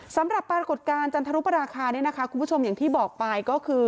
สำหรับปรากฏการณ์จันทรุปราคาคุณผู้ชมอย่างที่บอกไปก็คือ